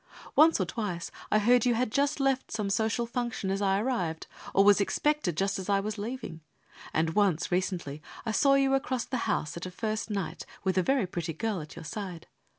Once or twice I heard you had just left some social function as I arrived, or was expected just as I was leaving, and once, recently, I saw you across the house at a first night, with a very pretty girl at your side.